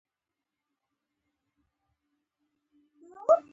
د اتریشي هالنډ کې د فرانسویانو له یرغل سره هممهاله پیل شوه.